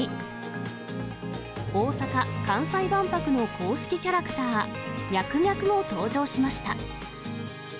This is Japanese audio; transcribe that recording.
大阪・関西万博の公式キャラクター、ミャクミャクも登場しました。